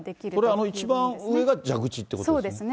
これ一番上が蛇口ということですね。